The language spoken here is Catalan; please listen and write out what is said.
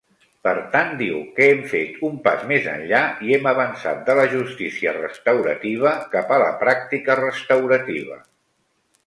Per tant, diu que hem fet un pas més enllà i hem avançat de la justícia restaurativa cap a la pràctica restaurativa.